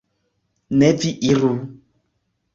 Ne vi iru!